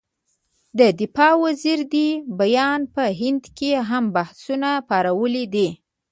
د دفاع وزیر دې بیان په هند کې هم بحثونه پارولي دي.